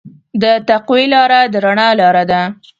د تقوی لاره د رڼا لاره ده.